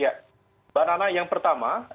ya mbak nana yang pertama